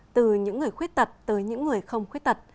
từ những người khuyết tật tới những người không khuyết tật